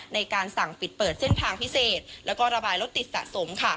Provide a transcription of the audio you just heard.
ในการสั่งปิดเปิดเส้นทางพิเศษแล้วก็ระบายรถติดสะสม